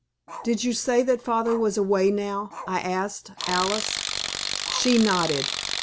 "Did you say that father was away now?" I asked Alice. She nodded.